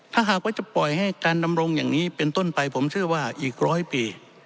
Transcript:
ถ้าหากว่าจะปล่อยให้การดำรงอย่างนี้เป็นต้นไปผมเชื่อว่าอีกร้อยปี